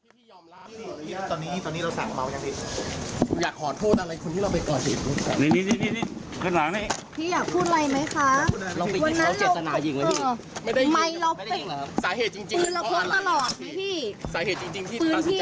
มีโอกาสพูดคุยกับทางคู่กรณีบ้างหรือยังครับได้คุยกันส่วนตัวไหมพี่